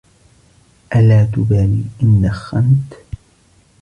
ألا تبالي إن دخنت؟